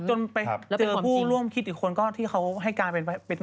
จนไปเจอผู้ร่วมคิดอีกคนก็ที่เขาให้การเป็น